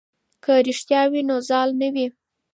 که رښتیا وي نو زال نه وي.